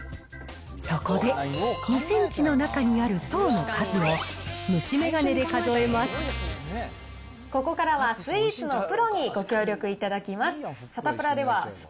そこで、２センチの中にある層の数を、ここからはスイーツのプロにご協力いただきます。